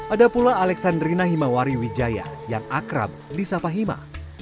ada pula aleksandrina himawariwijaya yang akrab di sapahima